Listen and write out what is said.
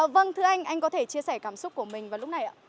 vâng thưa anh anh có thể chia sẻ cảm xúc của mình vào lúc này ạ